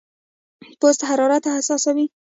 پوست حرارت احساسوي.